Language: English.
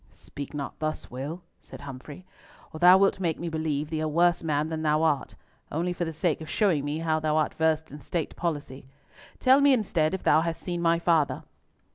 "Speak not thus, Will," said Humfrey, "or thou wilt make me believe thee a worse man than thou art, only for the sake of showing me how thou art versed in state policy. Tell me, instead, if thou hast seen my father."